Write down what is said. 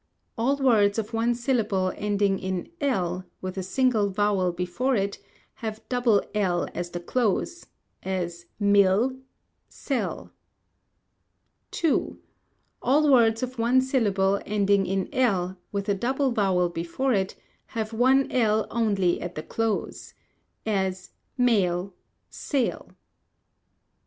All words of one syllable ending in l, with a single vowel before it, have double l at the close; as, mill, sell. ii. All words of one syllable ending in l, with a double vowel before it, have one l only at the close: as, mail, sail.